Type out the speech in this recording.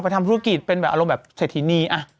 ไปทำธุรกิจเป็นแบบอารมณ์แบบเซทีนี่